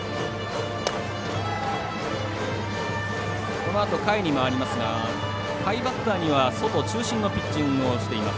このあと、下位に回りますが下位バッターには外中心のピッチングをしています